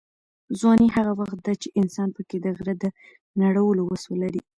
ځواني هغه وخت ده چې انسان پکې د غره د نړولو وس لري.